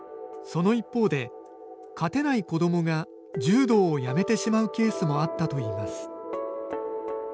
その一方で、勝てない子どもが柔道を辞めてしまうケースもあったといいます。